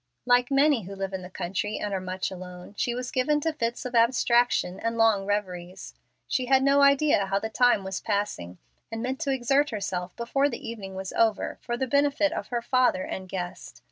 Like many who live in the country and are much alone, she was given to fits of abstraction and long reveries. She had no idea how the time was passing, and meant to exert herself before the evening was over for the benefit of her father and guest.